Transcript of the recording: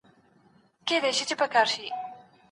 که هغه راسي، اوږده پاڼه به ډنډ ته یوسي.